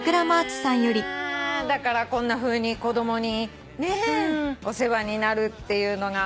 だからこんなふうに子供にお世話になるっていうのが。